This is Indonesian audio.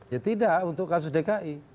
ya tidak untuk kasus dki